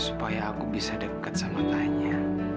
supaya aku bisa dekat sama tanya